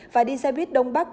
và đi xe buýt đông bắc